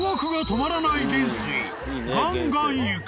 ［ガンガン行く］